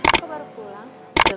aku baru pulang